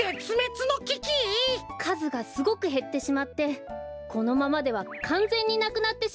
かずがすごくへってしまってこのままではかんぜんになくなってしまうかもしれないんです。